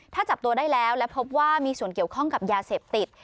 ถ้าจับตัวได้แล้วและพบว่ามีส่วนเกี่ยวข้องกับยาเสพติด